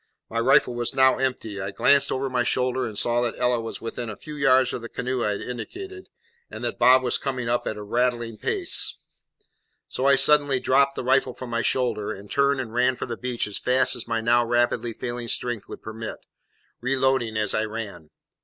My rifle was now empty. I glanced over my shoulder, and saw that Ella was within a few yards of the canoe I had indicated, and that Bob was coming up at a rattling pace; so I suddenly dropped the rifle from my shoulder, and turned and ran for the beach as fast as my now rapidly failing strength would permit, reloading as I ran.